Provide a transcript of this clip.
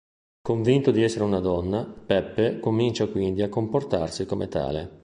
Convinto di essere una donna, Peppe comincia quindi a comportarsi come tale.